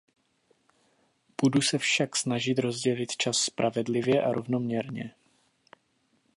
Budu se však snažit rozdělit čas spravedlivě a rovnoměrně.